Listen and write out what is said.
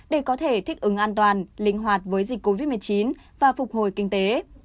để có thể thích ứng an toàn linh hoạt với dịch covid một mươi chín và phục hồi kinh tế